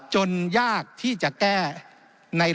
จนยากที่จะแก้ในรัฐมนูล